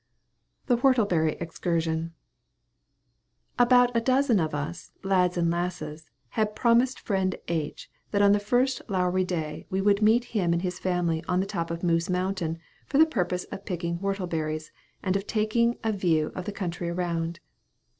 THE WHORTLEBERRY EXCURSION. About a dozen of us, lads and lasses, had promised friend H. that on the first lowery day we would meet him and his family on the top of Moose Mountain, for the purpose of picking whortleberries, and of taking a view of the country around.